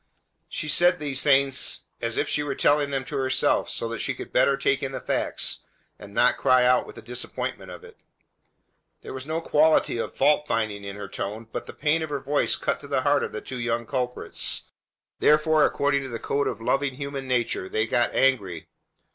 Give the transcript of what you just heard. She said these things as if she were telling them to herself so that she could better take in the facts and not cry out with the disappointment of it. There was no quality of fault finding in her tone, but the pain of her voice cut to the heart the two young culprits. Therefore, according to the code of loving human nature, they got angry.